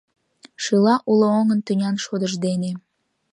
Шӱла уло оҥын тӱнян шодыж дене.